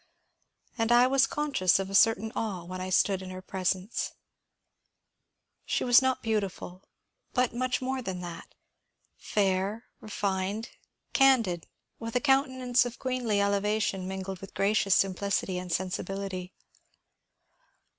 And I was conscious of a certain awe when I stood in her presence. PRESIDENT THIERS 263 She was not beautiful, but much more than that, — fair, refined, candid, with a countenance of queenly elevation min gled with gracious simplicity and sensibility.